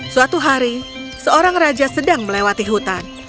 suatu hari seorang raja sedang melewati hutan